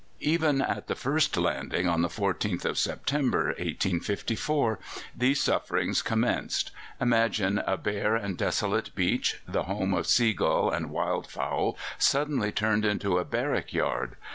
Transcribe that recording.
Even at the first landing, on the 14th of September, 1854, these sufferings commenced. Imagine a bare and desolate beach, the home of seagull and wild fowl, suddenly turned into a barrack yard.